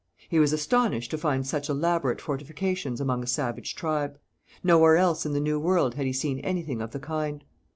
He was astonished to find such elaborate fortifications among a savage tribe. Nowhere else in the New World had he seen anything of the kind.